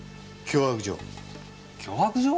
脅迫状。